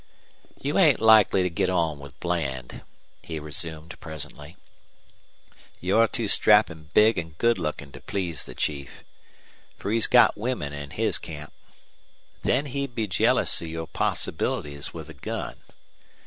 "You ain't likely to get on with Bland," he resumed, presently. "You're too strappin' big an' good lookin' to please the chief. Fer he's got women in his camp. Then he'd be jealous of your possibilities with a gun.